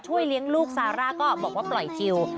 เลี้ยงลูกซาร่าก็บอกว่าปล่อยจิล